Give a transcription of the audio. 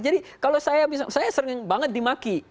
jadi kalau saya sering banget dimaki